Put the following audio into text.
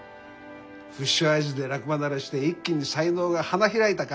フィッシュアイズで落馬慣れして一気に才能が花開いたか？